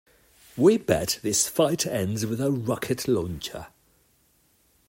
We bet this fight ends with a rocket launcher.